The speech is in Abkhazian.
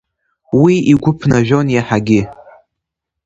Уи игәы ԥнажәон иаҳагьы.